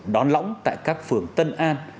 đón lõng tại các phường tân an